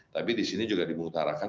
tapi di sini juga dimutarakan